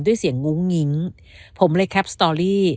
ด้วยเสียงงุ้งงิ้งผมเลยแคปสตอรี่